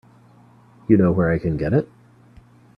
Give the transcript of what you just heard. You know where I can get it?